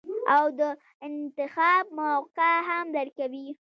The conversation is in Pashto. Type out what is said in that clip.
او د انتخاب موقع هم درکوي -